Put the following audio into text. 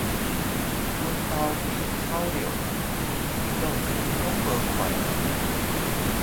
我家被偷了，整棟房子都不見了